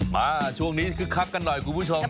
มาช่วงนี้ขึ้นคับกันหน่อยคุณผู้ชมครับ